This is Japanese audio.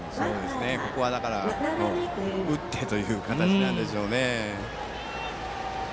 だから、ここは打ってという形なんでしょうね。